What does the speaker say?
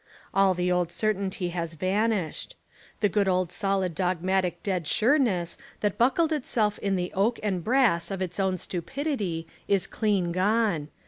All the old certainty has van ished. The good old solid dogmatic dead sure ness that buckled itself in the oak and brass of its own stupidity is clean gone.